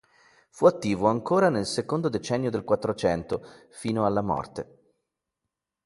Fu attivo ancora nel secondo decennio del Quattrocento, fino alla morte.